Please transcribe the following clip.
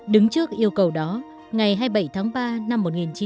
đứng trước yêu cầu đó ngày hai mươi bảy tháng ba năm một nghìn chín trăm bốn mươi sáu